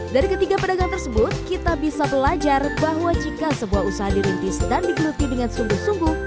dari ketiga pedagang tersebut kita bisa belajar bahwa jika sebuah usaha dirintis dan digeluti dengan sungguh sungguh